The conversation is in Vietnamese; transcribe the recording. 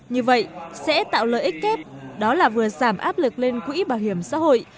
như vậy sẽ tạo lợi ích kép đó là vừa giảm áp lực lên quỹ bảo hiểm xã hội